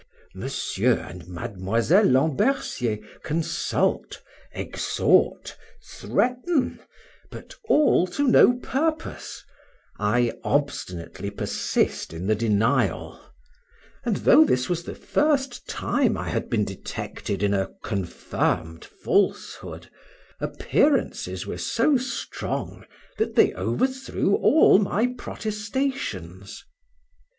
Mr. and Miss Lambercier consult, exhort, threaten, but all to no purpose; I obstinately persist in the denial; and, though this was the first time I had been detected in a confirmed falsehood, appearances were so strong that they overthrew all my protestations.